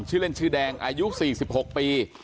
ชื่อเล่นชื่อแดงอายุ๔๖ปี